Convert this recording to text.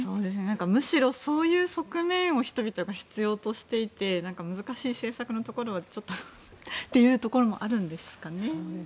むしろ、そういう側面を人々が必要としていて難しい政策のところをちょっとというところもあるんですかね。